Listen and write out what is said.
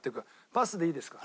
パスでいいですか？